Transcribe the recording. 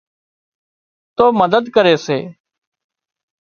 تو مدد ڪري سي